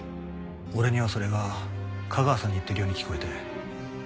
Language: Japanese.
俺にはそれが架川さんに言ってるように聞こえて。